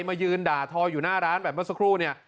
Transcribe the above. มายืนด่าทออยู่หน้าร้านแบบเมื่อสักครู่เนี่ย